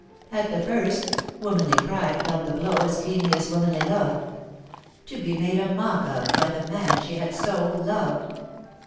At the first, womanly pride felt the blow as keenly as womanly love. To be made a mock of by the man she had so loved